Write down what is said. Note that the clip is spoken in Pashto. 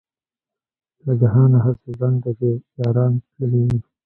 له جهانه هسې زنګ دی چې یاران تللي دي.